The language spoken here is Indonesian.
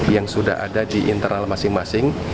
yang sudah ada di internal masing masing